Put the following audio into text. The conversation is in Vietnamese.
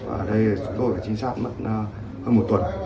ở đây chúng tôi phải trinh sát hơn một tuần